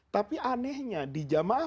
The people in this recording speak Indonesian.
tapi anehnya di jamaah